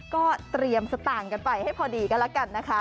ก็เตรียมสตางค์กันไปให้พอดีกันแล้วกันนะคะ